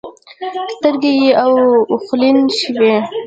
سترګې يې اوښلن شوې.